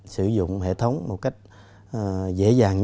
sử dụng hệ thống một cách dễ dàng